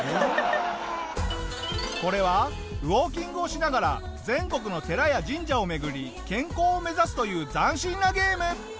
これはウォーキングをしながら全国の寺や神社を巡り健康を目指すという斬新なゲーム！